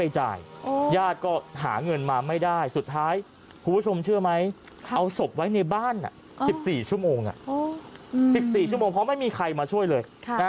๑๔ชั่วโมงเพราะไม่มีใครมาช่วยเลย